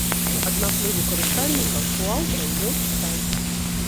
Ад наплыву карыстальнікаў у аўтараў лёг сайт.